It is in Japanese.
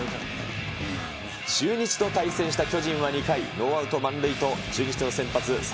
中日と対戦した巨人は２回、ノーアウト満塁と、中日の先発、侍